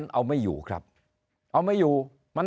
นายกรัฐมนตรีพูดเรื่องการปราบเด็กแว่น